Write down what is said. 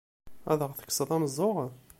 Ad aɣ-tekkseḍ ameẓẓuɣ!